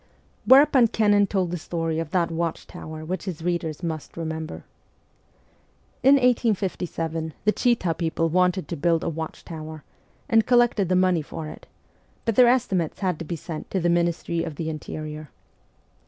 Whereupon Kennan told the story of that watchtower which his readers must remember. In 1859 the Chita people wanted to build a watchtower, and collected the money for it ; but their estimates had to be sent to the Ministry of the Interior.